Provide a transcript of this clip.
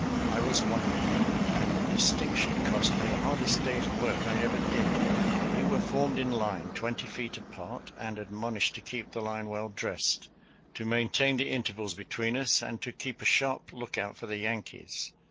I was one of them, and the dis tinction cost me the hardest day's work I ever did. We were formed in line, twenty feet apart, and admonished to keep the line well dressed, to maintain the intervals between us, and to keep a sharp lookout for the Yankees.